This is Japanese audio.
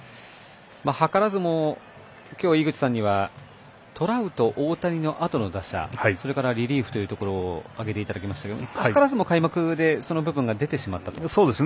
図らずも今日、井口さんにはトラウト、大谷のあとの打者それから、リリーフというところ挙げていただきましたが図らずも開幕でその部分が出てしまったと？